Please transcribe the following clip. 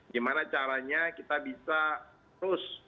gimana caranya kita bisa terus